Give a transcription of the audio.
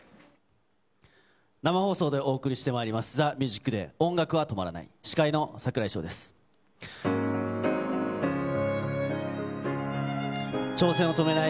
生放送でお送りしてまいります、ＴＨＥＭＵＳＩＣＤＡＹ音楽は止まらない。